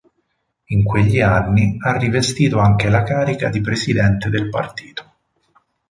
In quegli anni ha rivestito anche la carica di presidente del partito.